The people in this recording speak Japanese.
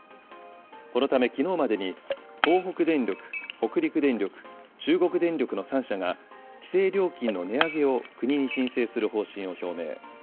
このため、きのうまでに、東北電力、北陸電力、中国電力の３社が、規制料金の値上げを国に申請する方針を表明。